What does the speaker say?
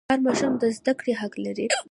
هر ماشوم د زده کړې حق لري.